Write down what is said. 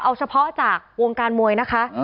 เอาเฉพาะจากวงการมวยนะคะ